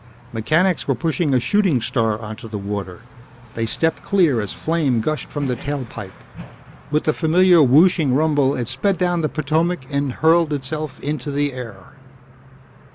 Mechanics were pushing a Shooting Star onto the water. They stepped clear as flame gushed from the tail pipe; with the familiar whooshing rumble it sped down the Potomac and hurled itself into the air.